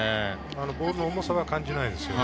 ボールの重さは感じないですね。